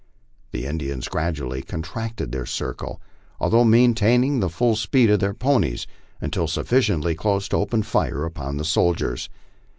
The Indians gradually contracted their circle, although maintaining the full speed of their ponies, until sufficiently close to open fire upon the soldiers.